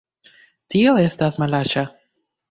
Tio estas malaĉa!